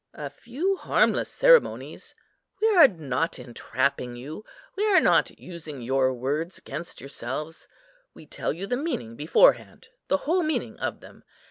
A few harmless ceremonies; we are not entrapping you; we are not using your words against yourselves; we tell you the meaning beforehand, the whole meaning of them.